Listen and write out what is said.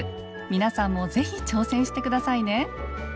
皆さんもぜひ挑戦してくださいね。